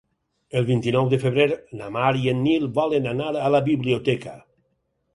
El vint-i-nou de febrer na Mar i en Nil volen anar a la biblioteca.